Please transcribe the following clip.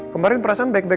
kemarin perasaan baik baik